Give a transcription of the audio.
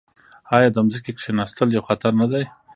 آیا د ځمکې کیناستل یو خطر نه دی؟